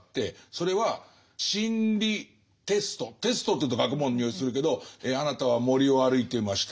それは心理テストテストというと学問のにおいするけど「あなたは森を歩いていました。